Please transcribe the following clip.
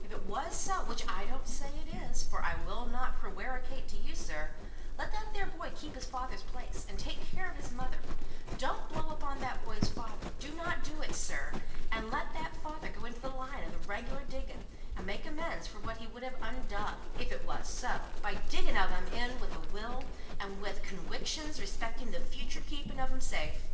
If it wos so, which I still don't say it is (for I will not prewaricate to you, sir), let that there boy keep his father's place, and take care of his mother; don't blow upon that boy's father do not do it, sir and let that father go into the line of the reg'lar diggin', and make amends for what he would have undug if it wos so by diggin' of 'em in with a will, and with conwictions respectin' the futur' keepin' of 'em safe.